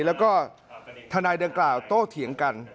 แล้วก็ทนายดังกล่าวโตเถียงกัน